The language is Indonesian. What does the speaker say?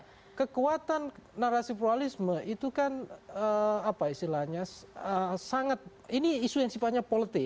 karena kekuatan narasi pluralisme itu kan apa istilahnya sangat ini isu yang sifatnya politik